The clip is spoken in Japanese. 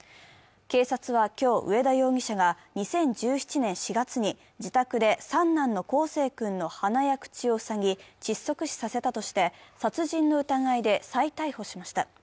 警察は今日、上田容疑者が２０１７年４月に自宅で三男の康生君の鼻や口を塞ぎ、窒息死させたとして殺人の疑いで再逮捕しました。